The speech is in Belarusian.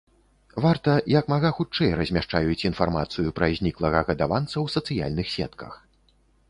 Варта як мага хутчэй размяшчаюць інфармацыю пра зніклага гадаванца ў сацыяльных сетках.